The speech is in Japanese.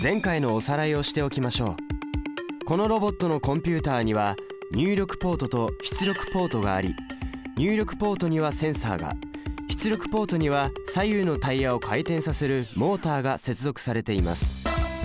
このロボットのコンピュータには入力ポートと出力ポートがあり入力ポートにはセンサが出力ポートには左右のタイヤを回転させるモータが接続されています。